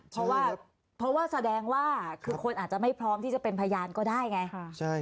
เพราะว่าเพราะว่าแสดงว่าคือคนอาจจะไม่พร้อมที่จะเป็นพยานก็ได้ไง